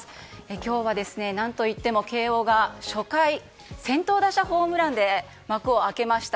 今日は何といっても慶應の初回、先頭打者ホームランで幕を開けました。